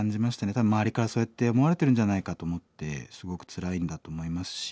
多分周りからそうやって思われてるんじゃないかと思ってすごくつらいんだと思いますし。